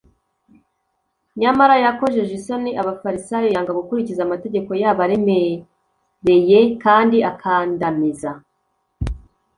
nyamara yakojeje isoni Abafarisayo yanga gukurikiza amategeko yabo aremereye kandi akandamiza.